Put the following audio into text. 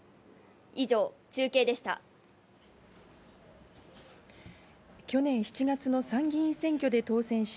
以上、中継でした。